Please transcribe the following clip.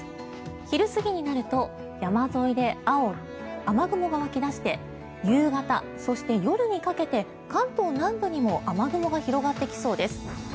昼過ぎになると山沿いで青、雨雲が湧き出して夕方、そして夜にかけて関東南部にも雨雲が広がってきそうです。